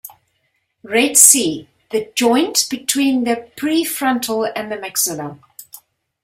Red C: the joint between the prefrontal and maxilla.